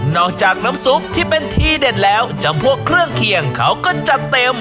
จากน้ำซุปที่เป็นทีเด็ดแล้วจำพวกเครื่องเคียงเขาก็จัดเต็ม